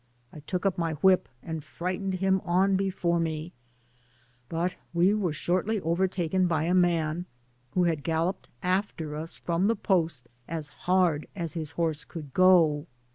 I took up my whip and frightened him on before me; but we were shortly overtaken by a man, who had galloped after us from the post as hard as his horse could go.